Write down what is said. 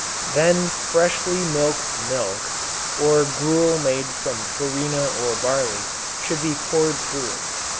Then freshly milked milk, or gruel made from farina or barley, should be poured through it.